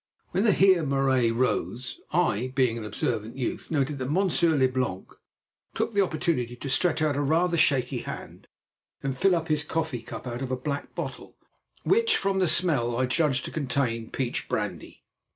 When the Heer Marais rose, I, being an observant youth, noted that Monsieur Leblanc took the opportunity to stretch out a rather shaky hand and fill up his coffee cup out of a black bottle, which from the smell I judged to contain peach brandy.